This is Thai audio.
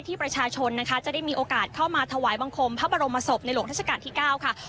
ประชาชนนะคะจะได้มีโอกาสเข้ามาถวายบังคมพระบรมศพในหลวงราชการที่๙ค่ะ